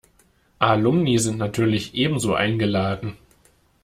Alumni sind natürlich ebenso eingeladen.